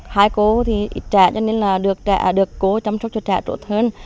hai cô thì trại cho nên là được trại được cô chăm sóc cho trại tốt hơn